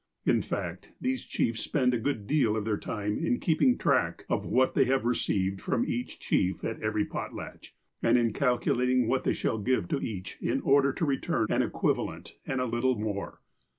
In fact, these chiefs siDcnd a good deal of their time in keeping track of what they have received from each chief at every potlatch, and in calculating what they shall give to each in order to return an equivalent, and a little more.